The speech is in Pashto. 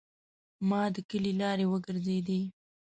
ما د کلي لارې وګرځیدې.